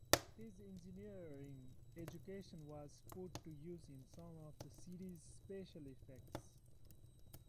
His engineering education was put to use in some of the series' special effects.